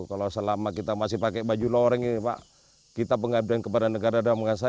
kalau selama kita masih pakai baju loreng ini kita pengabdian kepada negara negara